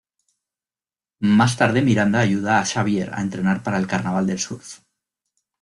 Más tarde Miranda ayuda a Xavier a entrenar para el carnaval del surf.